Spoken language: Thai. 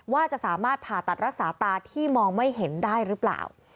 ว่าจะสามารถผ่าตัดรักษาตาที่มองไม่เห็นได้หรือเปล่า